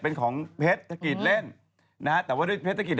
ถึงเกิดบวลตรวจ